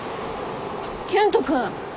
健人君。